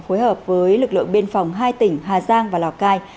phối hợp với lực lượng biên phòng hai tỉnh hà giang và lào cai